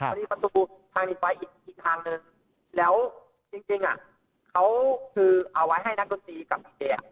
มันมีประตูทางนี้ไปอีกทางหนึ่งแล้วจริงจริงอ่ะเขาคือเอาไว้ให้นักหนุนตรีกับอีเจอ่ะ